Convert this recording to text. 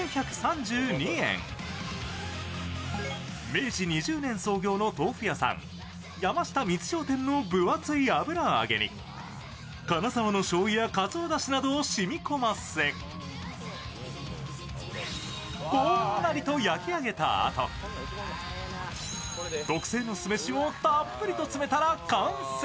明治２０年創業の豆腐屋さん山下ミツ商店の分厚い油揚げに金澤のしょうゆやかつおだしなどをしみこませこんがりと焼き上げたあと、特製の酢飯をたっぷりと詰めたら完成。